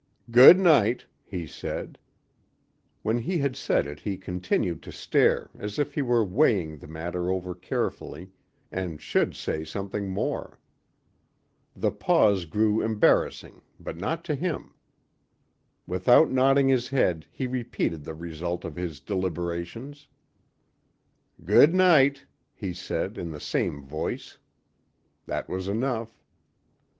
"Good night," he said. When he had said it he continued to stare as if he were weighing the matter over carefully and should say something more. The pause grew embarassing but not to him. Without nodding his head he repeated the result of his deliberations. "Good night," he said in the same voice. That was enough.